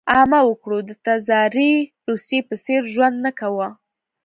عامه وګړو د تزاري روسیې په څېر ژوند نه کاوه.